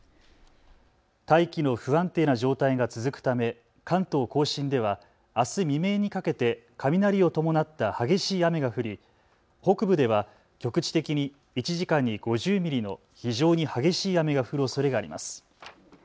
大気の不安定な状態が続くため関東甲信ではあす未明にかけて雷を伴った激しい雨が降り北部では局地的に１時間に５０ミリの非常に激しい雨が降るおそれがあります。